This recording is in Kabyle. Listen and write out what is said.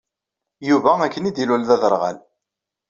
Yuba akken i d-ilul d aderɣal.